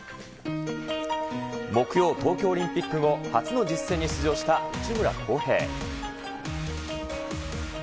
木曜、東京オリンピック後、初の実戦に出場した内村航平。